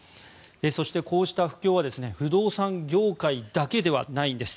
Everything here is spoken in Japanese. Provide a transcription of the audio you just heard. そしてこうした不況は不動産業界だけではないんです。